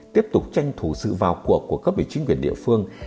tiếp tục tranh thủ sự vào cuộc của cấp ủy chính quyền địa phương